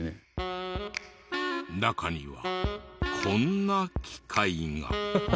中にはこんな機械が。